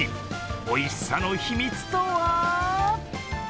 おいしさの秘密とは？